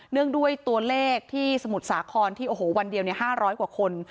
งด้วยตัวเลขที่สมุทรสาครที่โอ้โหวันเดียว๕๐๐กว่าคน